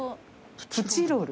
プチロル。